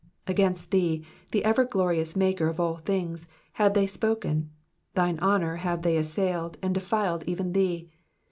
'''' Against thee, the ever glorious Maker of all things, have they spoken, thine honour have they assailed, and defied even thee.